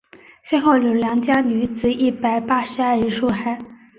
先后有良家女子一百八十二人受害。